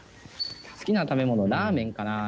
好きな食べ物ラーメンかな。